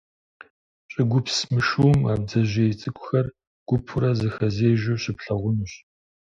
ЩӀыгупс мышыум а бдзэжьей цӀыкӀухэр гупурэ зэхэзежэу щыплъагъунущ.